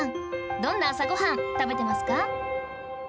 どんな朝ご飯食べてますか？